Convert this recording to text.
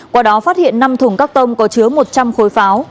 qua đó phát hiện năm thùng các tông có chứa một trăm linh khối pháo